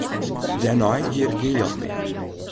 Dêrnei hie er gjin jild mear.